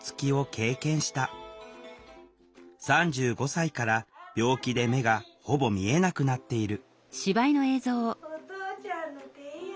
３５歳から病気で目がほぼ見えなくなっている「お父ちゃんの手や」。